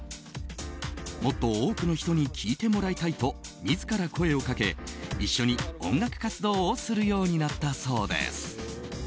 もっと多くの人に聞いてもらいたいと自ら声をかけ一緒に音楽活動をするようになったそうです。